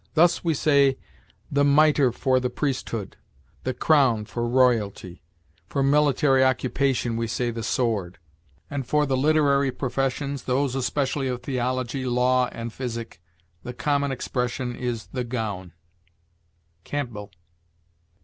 Thus we say the miter for the priesthood; the crown for royalty; for military occupation we say the sword; and for the literary professions, those especially of theology, law, and physic, the common expression is the gown." Campbell.